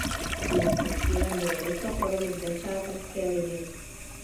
Římským cílem bylo rychle prolomit nepřátelské linie.